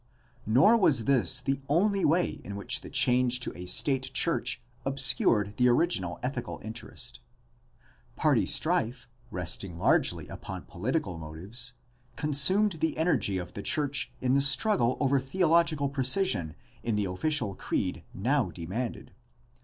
— Nor was this the only way in which the change to a state church obscured the original ethical interest. Party strife, resting largely upon political motives, consumed the energy of the church in the struggle over theological precision in the official creed now demanded..